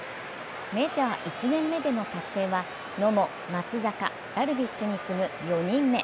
メジャー１年目での達成は野茂、松坂、ダルビッシュに次ぐ４人目。